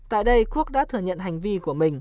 tại đây quốc đã thừa nhận hành vi của mình